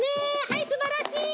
はいすばらしい！